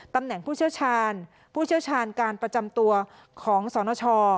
ตำแหน่งผู้เชี่ยวชาญผู้เชี่ยวชาญการประจำตัวของสนช